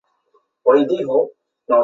再与诸王轮番围攻锦州。